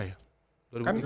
ya empat tahun